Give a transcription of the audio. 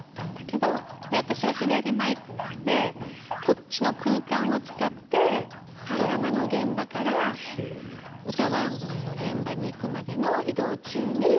私は左マイクなのでこっちの空間を使ってドラマの現場から歌番組の現場に行くまでの移動中に考えてて。